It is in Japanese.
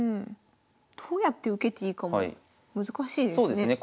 どうやって受けていいかも難しいですね。